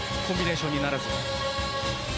コンビネーションにならず。